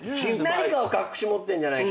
何かを隠し持ってんじゃないかなって。